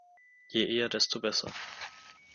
Je eher, desto besser.